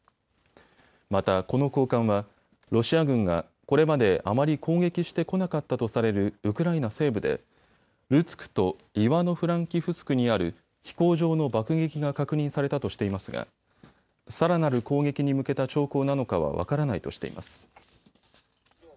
また、この高官はロシア軍が、これまであまり攻撃してこなかったとされるウクライナ西部でルツクとイワノフランキフスクにある飛行場の爆撃が確認されたとしていますが、さらなる攻撃に向けた兆候なのか分からないとしています。